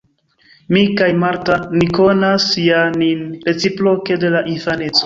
Mi kaj Marta ni konas ja nin reciproke de la infaneco.